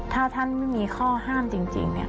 ถ้าท่านไม่มีข้อห้ามจริง